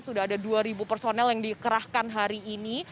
sudah ada dua personel yang dikerahkan hari ini